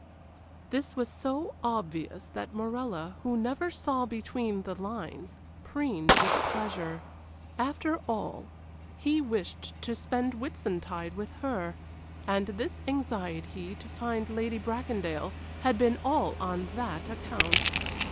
This was so obvious that Morella, who never saw between the lines, preened with pleasure. After all, he wished to spend Whitsuntide with her, and this anxiety to find Lady Bracondale had been all on that account.